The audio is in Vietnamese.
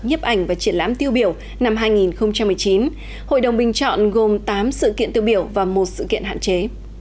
nhếp ảnh và triển lãm tiêu biểu năm hai nghìn một mươi chín hội đồng bình chọn gồm tám sự kiện tiêu biểu và một sự kiện hạn chế